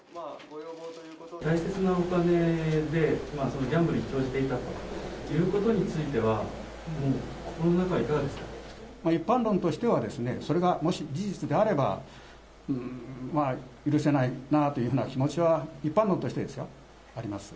大切なお金で、ギャンブルに投じていたということについては、心の中、一般論としては、それがもし事実であれば、許せないなあというふうな気持ちは、一般論としてですよ、あります。